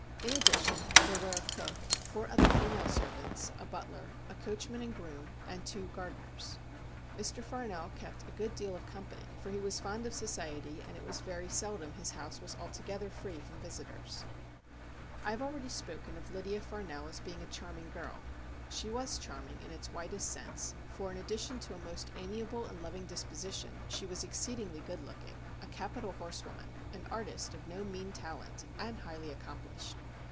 In addition there were a cook, four other female servants, a butler, a coachman and groom, and two gardeners. Mr. Farnell kept a good deal of company, for he was fond of society, and it was very seldom his house was altogether free from visitors. I have already spoken of Lydia Farnell as being a charm ing girl. She was charming in itswidest sense, for, in addition 348 STORIES WEIRD AND WONDERFUL to a most amiable and loving disposition, she was exceedingly good looking, a capital horsewoman, an artist of no mean talent, and highly accomplished.